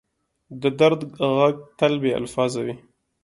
د درد ږغ تل بې الفاظه وي.